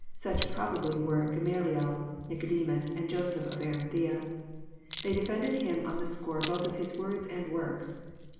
Such probably were Gamsdiel, Nicodemus, and Joseph of Arimathea. They defend him on the score both of His words and works.